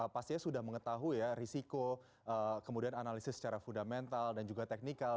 pastinya sudah mengetahui ya risiko kemudian analisis secara fundamental dan juga teknikal